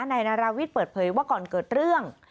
นายนาราวิทย์เปิดเผยว่าก่อนเกิดเรื่อง